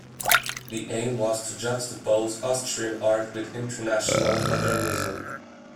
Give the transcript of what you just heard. The aim was to juxtapose Austrian art with international modernism.